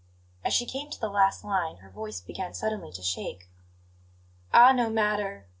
As she came to the last line, her voice began suddenly to shake. "Ah, no matter!